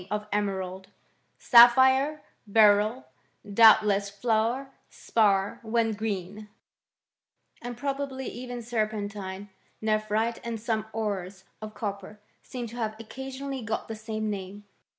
'■ of emerald . Sapphire , beryl , doubtless fluor spar whea J green, and probably even serpentine, nephrite, an& < some ores of copper, seem to have occasionally got the ^ same name.